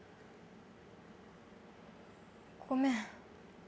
ごめん。